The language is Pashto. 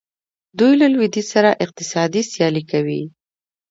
دوی له لویدیځ سره اقتصادي سیالي کوي.